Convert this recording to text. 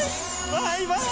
バイバイ。